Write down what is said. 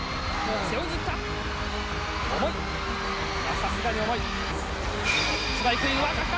背負いにいった！